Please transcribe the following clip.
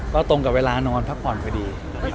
ก็ตรงกับเวลานอนพักผ่อนพอดี